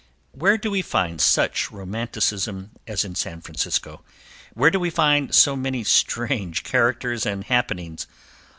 Where do we find such romanticism as in San Francisco? Where do we find so many strange characters and happenings?